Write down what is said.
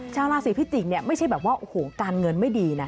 ชาวราศีพิจิกเนี่ยไม่ใช่แบบว่าโอ้โหการเงินไม่ดีนะ